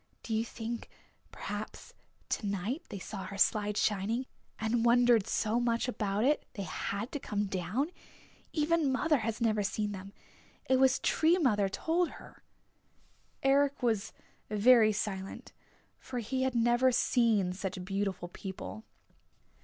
Do you think perhaps, to night they saw our slide shining, and wondered so much about it they had to come down? Even mother has never seen them. It was Tree Mother told her." Eric was very silent, for he had never seen such beautiful people.